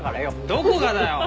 どこがだよ！